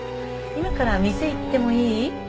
今から店行ってもいい？